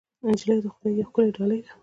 نجلۍ د خدای یوه ښکلی ډالۍ ده.